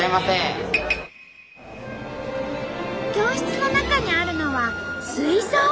教室の中にあるのは水槽。